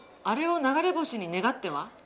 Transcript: あれを流れ星に願っては？